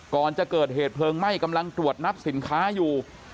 ก่อนจะเกิดเหตุเพลิงไหม้กำลังตรวจนับสินค้าอยู่